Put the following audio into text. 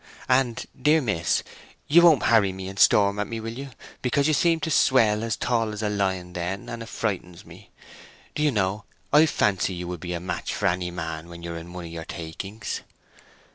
"And, dear miss, you won't harry me and storm at me, will you? because you seem to swell so tall as a lion then, and it frightens me! Do you know, I fancy you would be a match for any man when you are in one o' your takings."